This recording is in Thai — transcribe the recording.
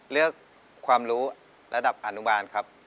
เลือกความรู้ระดับอนุบาลครับ